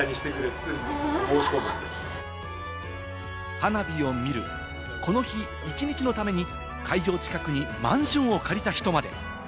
花火を見る、この日、一日のために会場近くにマンションを借りた人まで。